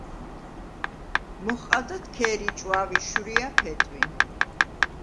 მოჰყავდათ ქერი, ჭვავი, შვრია, ფეტვი.